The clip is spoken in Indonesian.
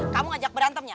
kamu ngajak berantem ya